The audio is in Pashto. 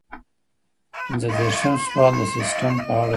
پنځه دېرشم سوال د سیسټم په اړه دی.